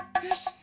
よし。